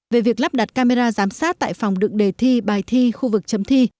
về việc lắp đặt camera giám sát tại phòng đựng đề thi bài thi khu vực chấm thi